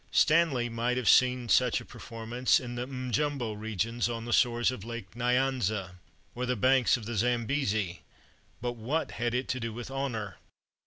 Stanley might have seen such a performance in the Mmjumbo regions on the shores of Lake Nyanza or the banks of the Zambesi, but what had it to do with honor?